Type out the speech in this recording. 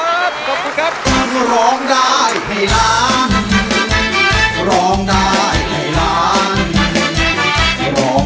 ร้องได้ให้ร้านร้องได้ให้ร้านร้องได้ให้ร้านร้องได้ให้ร้าน